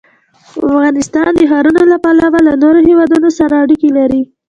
افغانستان د ښارونه له پلوه له نورو هېوادونو سره اړیکې لري.